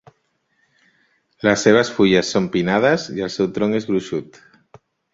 Les seves fulles són pinnades i el seu tronc és gruixut.